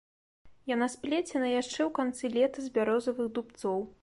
Яна сплецена яшчэ ў канцы лета з бярозавых дубцоў.